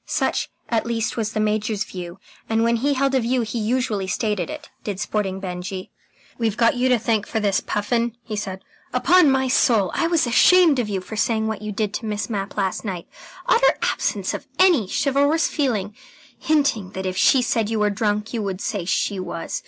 Such, at least, was the Major's view, and when he held a view he usually stated it, did Sporting Benjy. "We've got you to thank for this, Puffin," he said. "Upon my soul, I was ashamed of you for saying what you did to Miss Mapp last night. Utter absence of any chivalrous feeling hinting that if she said you were drunk, you would say she was.